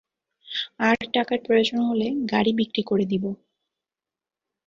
আর টাকার প্রয়োজন হলে গাড়ি বিক্রি করে দিবো।